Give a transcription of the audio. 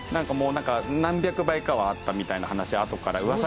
何百倍かはあったみたいな話あとから噂では聞きました。